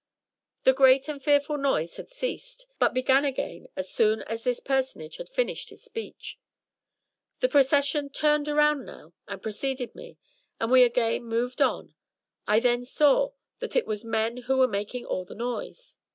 The great and fearful noise had ceased, but began again as soon as this personage had finished his speech. The Procession turned around now and preceded me, and we again moved on. I then saw that it was men who were making all this noise.